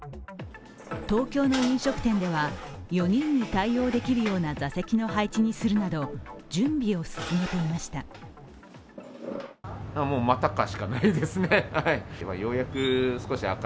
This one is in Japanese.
東京の飲食店では４人に対応できるような座席の配置にするなど準備を進めていました。